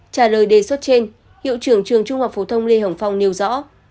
trả lời đề xuất trên hiệu trưởng trường trung học phổ thông lê hồng phong nêu rõ